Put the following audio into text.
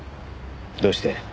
どうして？